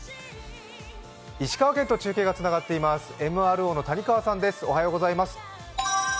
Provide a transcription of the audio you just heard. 石川県と中継がつながっています、ＭＲＯの谷川さんです。